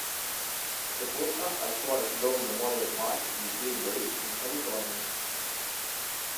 È sepolta al Forest Lawn Memorial Park di Glendale in California.